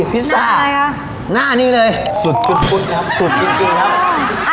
พิซซ่าหน้านี่เลยสุดกุ๊ดครับสุดจริงครับ